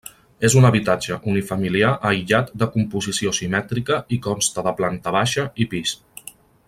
És un habitatge unifamiliar aïllat de composició simètrica i consta de planta baixa i pis.